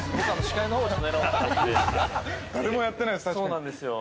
◆そうなんですよ。